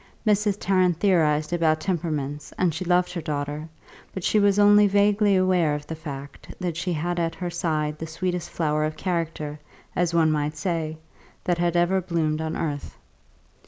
Mrs. Tarrant theorised about temperaments and she loved her daughter; but she was only vaguely aware of the fact that she had at her side the sweetest flower of character (as one might say) that had ever bloomed on earth.